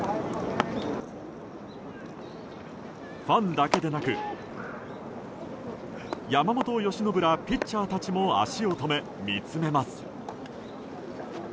ファンだけでなく山本由伸らピッチャーたちも足を止め見つめます。